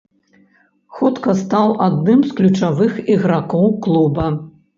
Хутка стаў адным з ключавых ігракоў клуба.